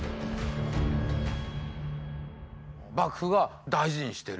幕府が大事にしてる？